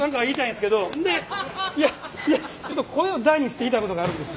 いや声を大にして言いたいことがあるんです。